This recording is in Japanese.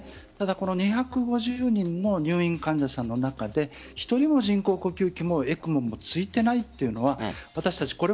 ただ２５０人の入院患者さんの中で１人も人工呼吸器もＥＣＭＯもついていないというのは私たち